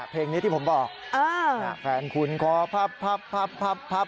เพลงนี้ที่ผมก็ออกแฟนคุณก็พับพับพับพับ